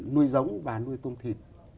nuôi giống và nuôi tôm thịt